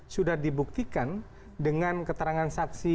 sudah dibuktikan dengan keterangan saksi